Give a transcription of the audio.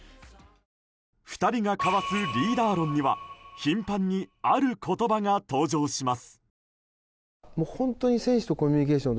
２人が交わすリーダー論には頻繁にある言葉が登場します。